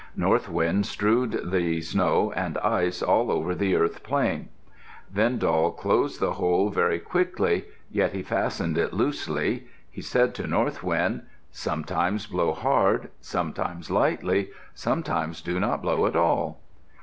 North Wind strewed the snow and ice all over the earth plain. Then Doll closed the hole very quickly, yet he fastened it loosely. He said to North Wind, "Sometimes blow hard, sometimes lightly. Sometimes do not blow at all."